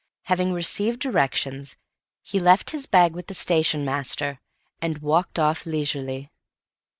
Having received directions, he left his bag with the station master and walked off leisurely.